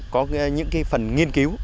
có những cái phần nghiên cứu